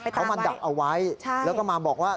เขามาดักเอาไว้แล้วก็มาบอกว่า